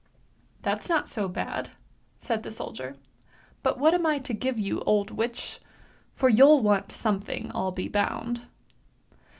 "" That's not so bad! " said the soldier. " But what am I to give you, old witch? For you'll want something, I'll be bound."